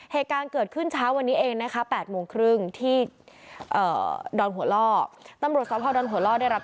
เหตุการณ์เกิดขึ้นเช้าวันนี้เองนะครับ